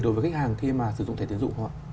đối với khách hàng khi mà sử dụng thẻ tiến dụng họ